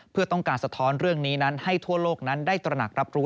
เพื่อต้องการสะท้อนเรื่องนี้นั้นให้ทั่วโลกนั้นได้ตระหนักรับรู้